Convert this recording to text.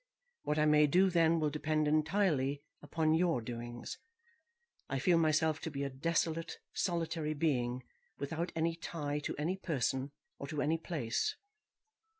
What I may do then will depend entirely upon your doings. I feel myself to be a desolate, solitary being, without any tie to any person, or to any place.